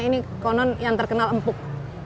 ini konon yang terkenal empuk